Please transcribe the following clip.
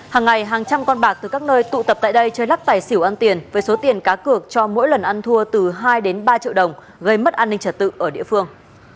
hàng ngày hàng trăm con bạc từ các nơi tụ tập tại đây chơi lắc tài xỉu ăn tiền với số tiền cá cược cho mỗi lần ăn thua từ hai đến ba triệu đồng gây mất an ninh trật tự ở địa phương